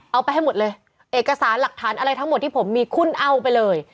เอาไปให้หมดเลยเอกสารหลักฐานอะไรทั้งหมดที่ผมมีคุณเอาไปเลย